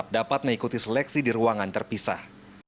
dapat mengikuti seleksi di ruangan terpisah